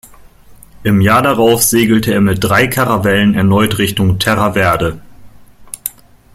Im Jahr darauf segelte er mit drei Karavellen erneut Richtung "Terra Verde".